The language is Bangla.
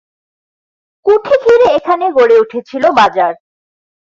কুঠি ঘিরে এখানে গড়ে উঠেছিল বাজার।